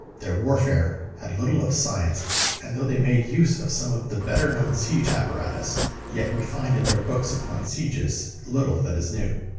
Their warfare had little of science, and though they made use of some of the better known siege apparatus, yet we find in their books upon sieges little that is new.